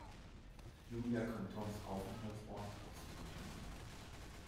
Julia kann Toms Aufenthaltsort ausfindig machen.